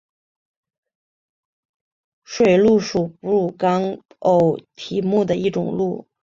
水鹿属哺乳纲偶蹄目的一种鹿。